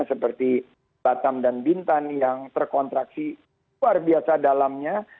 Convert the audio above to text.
seperti batam dan bintan yang terkontraksi luar biasa dalamnya